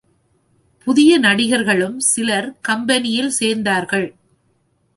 புதிய நடிகர்களும் சிலர் கம்பெனியில் சேர்ந்தார்கள்.